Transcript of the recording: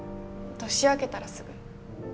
年明けたらすぐ。